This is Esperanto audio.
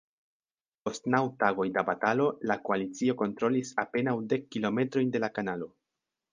Post naŭ tagoj da batalo, la koalicio kontrolis apenaŭ dek kilometrojn de la kanalo.